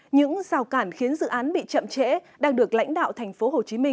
những rào cản khiến dự án bị chậm trễ đang được lãnh đạo tp hcm